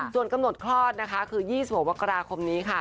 ส่วนกำหนดคลอดนะคะคือ๒๖มกราคมนี้ค่ะ